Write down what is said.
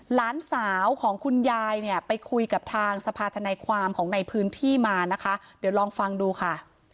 หลานสาวของคุณยายเนี่ยไปคุยกับทางสภาธนายความของในพื้นที่มานะคะเดี๋ยวลองฟังดูค่ะ